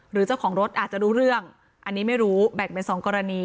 เจ้าของรถอาจจะรู้เรื่องอันนี้ไม่รู้แบ่งเป็นสองกรณี